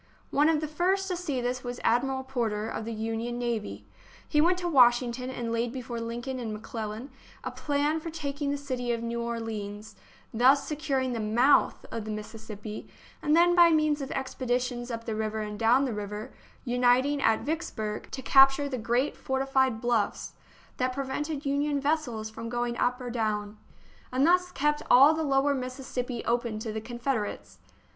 One of the first to see this was Admiral Porter, of the Union navy. He went to Washington and laid before Lincoln and McClellan a plan for tak ing the city of New Orleans, thus securing the mouth of the Mississippi, and then by means of expeditions up the river and down the river, unit ing at Vicksburg, to capture the great fortified THE BOOK OF FAMOUS SIEGES bluffs that prevented Union vessels from going up or down, and thus kept all the lower Mississippi open to the Confederates.